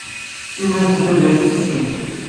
Ini-asent ad iyi-ten-id-fkent.